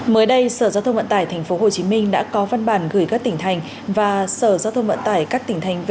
mới đây sở giao thông vận tải tp hcm đã có văn bản gửi các tỉnh thành và sở giao thông vận tải các tỉnh thành